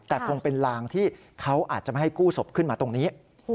แต่คงเป็นลางที่เขาอาจจะไม่ให้กู้ศพขึ้นมาตรงนี้